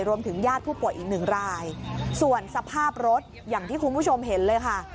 ญาติผู้ป่วยอีกหนึ่งรายส่วนสภาพรถอย่างที่คุณผู้ชมเห็นเลยค่ะ